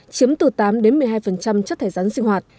chiếm từ tám một mươi hai chất thải rắn sinh hoạt